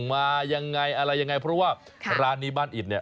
อย่างไรเพราะว่าร้านนี้บ้านอิดนี่